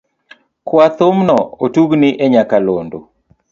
Kwa thumno otugni e nyaka londo.